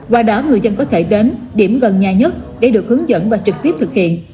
qua đó người dân có thể đến điểm gần nhà nhất để được hướng dẫn và trực tiếp thực hiện